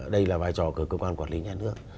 đây là vai trò của cơ quan quản lý nhà nước